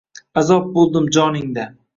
Azob bo’ldim joningda.